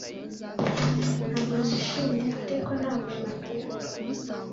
Ntabwo nishimye ariko ntabwo nakwiyahura